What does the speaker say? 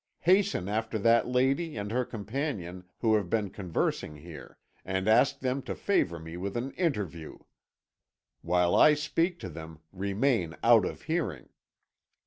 Hasten after that lady and her companion who have been conversing here, and ask them to favour me with an interview. While I speak to them, remain out of hearing.'